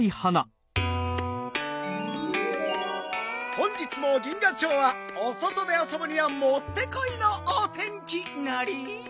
本日も銀河町はおそとであそぶにはもってこいのお天気なり！